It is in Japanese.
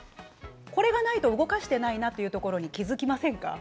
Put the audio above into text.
これがないと動かしていないなというところに気付きませんか？